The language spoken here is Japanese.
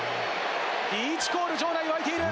リーチコール、場内沸いている。